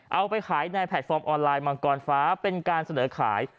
เอาไปขายในแพลตฟอร์มออนไลน์มังกรฟ้าเป็นการเสนอขาย